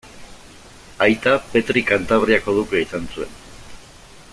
Aita Petri Kantabriako dukea izan zuen.